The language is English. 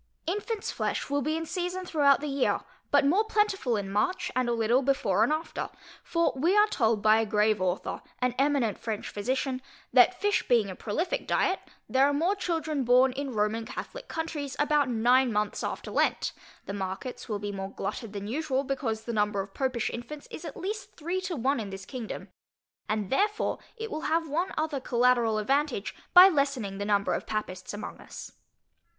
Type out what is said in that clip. InfantŌĆÖs flesh will be in season throughout the year, but more plentiful in March, and a little before and after; for we are told by a grave author, an eminent French physician, that fish being a prolifick dyet, there are more children born in Roman Catholick countries about nine months after Lent, than at any other season; therefore, reckoning a year after Lent, the markets will be more glutted than usual, because the number of Popish infants, is at least three to one in this kingdom, and therefore it will have one other collateral advantage, by lessening the number of Papists among us.